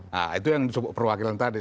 nah itu yang disebut perwakilan tadi